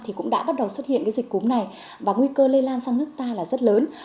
thì cũng đã bắt đầu xuất hiện cái dịch cúm này và nguy cơ lây lan sang nước ta là rất lớn